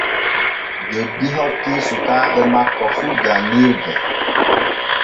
Joddi hokkii sukaaɓe makko fu janŋirde.